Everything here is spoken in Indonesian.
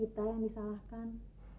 kita tidak bisa berpikir pikir